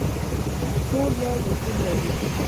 ټول یو رسول لري